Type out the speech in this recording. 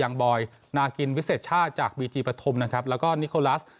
บอยนากินวิเศษชาติจากบีจีปฐมนะครับแล้วก็นิโคลัส